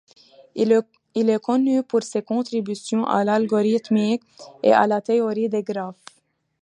Il est connu pour ses contributions à l'algorithmique et à la théorie des graphes.